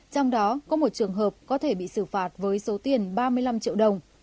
trong đó có một trường hợp có thể bị xử phạt với số tiền ba mươi năm triệu đồng